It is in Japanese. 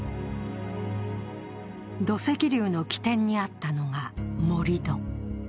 土石流の起点にあったのが盛り土。